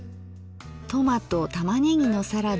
「トマト玉ねぎのサラダ」